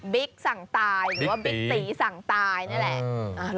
สั่งตายหรือว่าบิ๊กตีสั่งตายนั่นแหละ